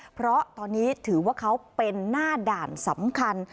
เพราะตอนนี้ถือว่าเขาเป็นหน้าด่านสำคัญ